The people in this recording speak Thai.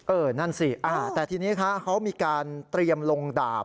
นั่นสิแต่ทีนี้คะเขามีการเตรียมลงดาบ